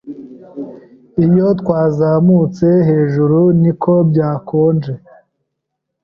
Iyo twazamutse hejuru, niko byakonje